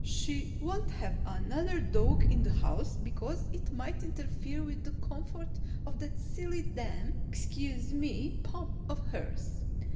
She won't have another dog in the house because it might interfere with the comfort of that silly damn excuse me Pom of hers.